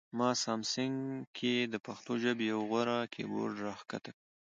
ما سامسنګ مبایل کې د پښتو ژبې یو غوره کیبورډ راښکته کړ